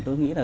tôi nghĩ là